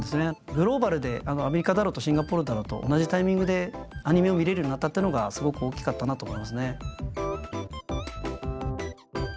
グローバルでアメリカだろうとシンガポールだろうと同じタイミングでアニメを見れるようになったっていうのがすごく大きかったなと思いますね。